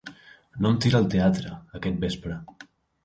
No em tira el teatre, aquest vespre.